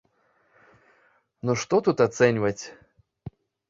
Ну што тут ацэньваць.